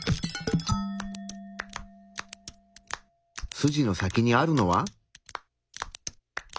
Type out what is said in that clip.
筋の先にあるのは？